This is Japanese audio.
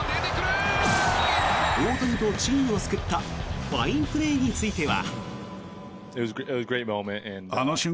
大谷とチームを救ったファインプレーについては。